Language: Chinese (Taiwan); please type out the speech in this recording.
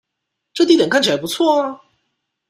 這地點看起來不錯啊